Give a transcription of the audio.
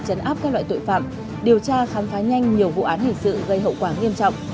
chấn áp các loại tội phạm điều tra khám phá nhanh nhiều vụ án hình sự gây hậu quả nghiêm trọng